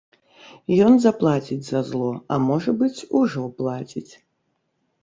Ён заплаціць за зло, а можа быць, ужо плаціць.